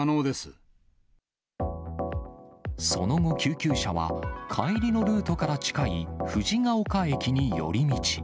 その後、救急車は、帰りのルートから近い藤が丘駅に寄り道。